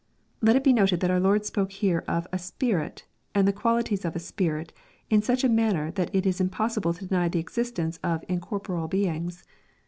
Let it be noted that our Lord spoke here of "a spirit," and the qualities of " a spirit," in such a manner that it is impossible to deny the existence cf incorporeal beings.